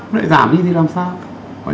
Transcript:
thế giảm đi thì làm sao